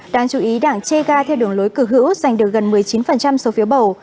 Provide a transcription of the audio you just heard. đáng chú ý đảng che ga theo đường lối cử hữu giành được gần một mươi chín số phiếu bầu